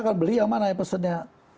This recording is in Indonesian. kalau beli yang mana pesannya